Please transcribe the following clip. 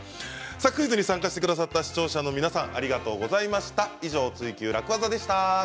クイズに参加してくださった視聴者の皆さんありがとうございます。